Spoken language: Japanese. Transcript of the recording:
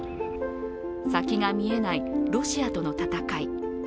先が見えないロシアとの戦い。